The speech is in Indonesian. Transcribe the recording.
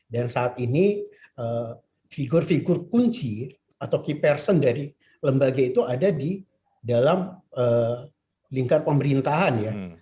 dan saat ini figur figur kunci atau key person dari lembaga itu ada di dalam lingkar pemerintahan